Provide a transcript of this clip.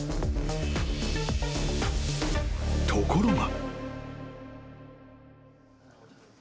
［ところが］